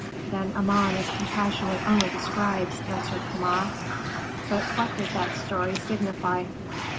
"Then Amon is compassionate only to scribes," answered Kama. "But what does that story signify?"